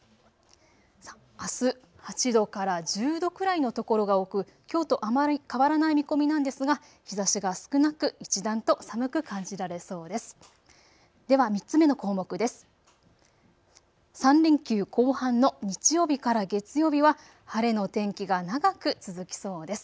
あす８度から１０度くらいの所が多く、きょうとあまり変わらない見込みなんですが日ざしが少なく一段と寒く感じられそうです。